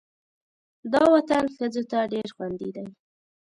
دا وطن ښځو ته ډېر خوندي دی.